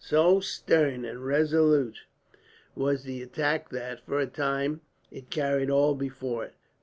So stern and resolute was the attack that, for a time, it carried all before it.